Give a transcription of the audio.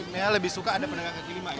mia lebih suka ada pendekat kaki lima ya